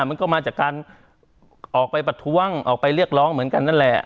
มันก็มาจากการออกไปประท้วงออกไปเรียกร้องเหมือนกันนั่นแหละ